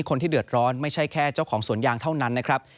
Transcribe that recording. คนที่เดือดร้อนไม่ใช่แค่เจ้าของสวนยางเท่านั้นนะครับ